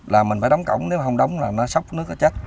là mình phải đóng cổng nếu không đóng là nó sốc nước chết